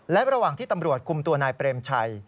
และระหว่างที่ตำรวจคุมตัวนายเปรมชัย